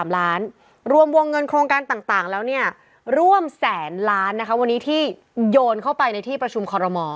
รวมวงเงินโครงการต่างแล้วเนี่ยร่วมแสนล้านนะคะวันนี้ที่โยนเข้าไปในที่ประชุมคอรมอ